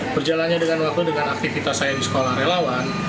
berjalannya dengan waktu dengan aktivitas saya di sekolah relawan